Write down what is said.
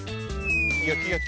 よきよき。